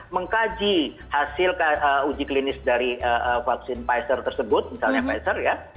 mengkaji hasil uji klinis dari vaksin pfizer tersebut misalnya pfizer ya